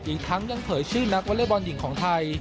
อีกทั้งยังเผยชื่อนักวอเล็กบอลหญิงของไทย